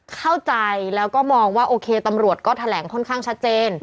เข้าใจแล้วก็มองว่าโอเคตำรวจก็แถลงค่อนข้างชัดเจน